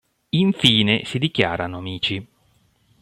Infine si dichiarano amici.